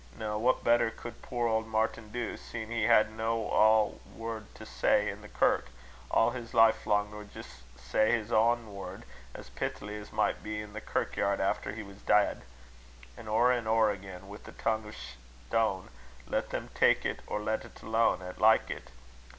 Noo, what better could puir auld Martin do, seein' he had no ae word to say i' the kirk a' his lifelang, nor jist say his ae word, as pithily as might be, i' the kirkyard, efter he was deid; an' ower an' ower again, wi' a tongue o' stane, let them tak' it or lat it alane 'at likit?